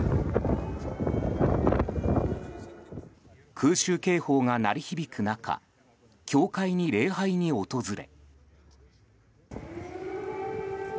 空襲警報が鳴り響く中教会に礼拝に訪れ。